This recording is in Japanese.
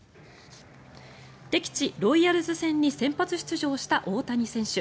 敵地ロイヤルズ戦に先発出場した大谷選手。